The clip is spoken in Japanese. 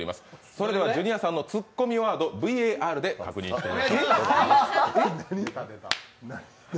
それではジュニアさんのツッコミワード、ＶＡＲで確認します。